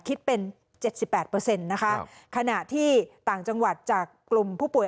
คิดเป็นเจ็ดสิบแปดเปอร์เซ็นต์นะคะขณะที่ต่างจังหวัดจากกลุ่มผู้ป่วย